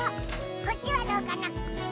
こっちはどうかな？